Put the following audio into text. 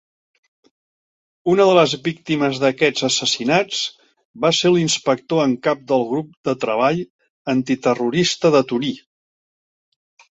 Una de les víctimes d'aquests assassinats va ser l'inspector en cap del grup de treball antiterrorista de Torí.